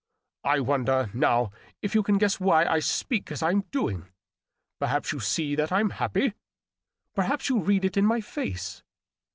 .• I wonder, now, if you can guess why I speak as I'm doing. Perhaps you see that I'm happy. Perhaps you read it in my face.